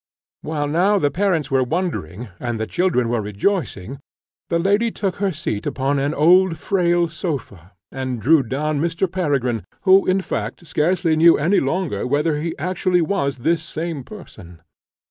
While now the parents were wondering, and the children were rejoicing, the lady took her seat upon an old frail sofa, and drew down Mr. Peregrine, who, in fact, scarcely knew any longer whether he actually was this same person.